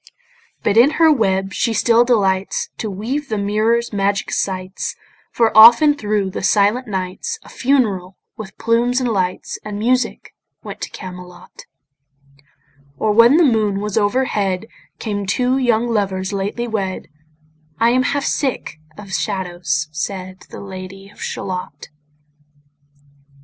But in her web she still delights To weave the mirror's magic sights, For often thro' the silent nights A funeral, with plumes and lights And music, went to Camelot: Or when the moon was overhead, Came two young lovers lately wed: "I am half sick of shadows," said The Lady of Shalott.